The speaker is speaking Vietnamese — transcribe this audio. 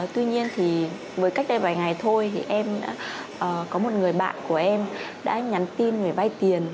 tuy nhiên thì với cách đây vài ngày thôi thì em có một người bạn của em đã nhắn tin về vay tiền